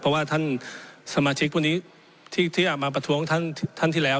เพราะว่าท่านสมาชิกวันนี้ที่ที่อาจมาประท้วงท่านท่านที่แล้ว